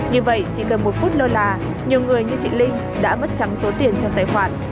như vậy chỉ cần một phút lơ là nhiều người như chị linh đã mất trắng số tiền trong tài khoản